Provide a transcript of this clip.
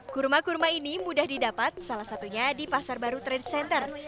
kurma kurma ini mudah didapat salah satunya di pasar baru trade center